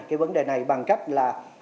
cái vấn đề này bằng cách là